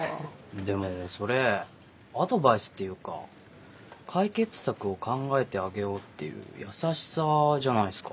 でもそれアドバイスっていうか解決策を考えてあげようっていう優しさじゃないんすか？